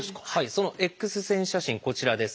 そのＸ線写真こちらです。